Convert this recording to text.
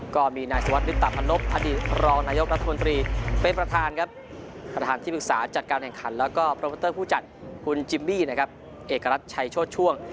ก็มีนายสวัสดิตาพันนบอดีตรองนายกรัฐมนตรีเป็นประธานครับประธานที่ปรึกษาจัดการแห่งขันแล้วก็โปรโมเตอร์ผู้จัดคุณจิมมี่นะครับเอกรัฐชัยโชธช่วง